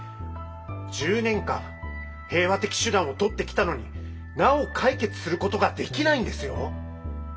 １０年間平和的手段をとってきたのになお解決することができないんですよ！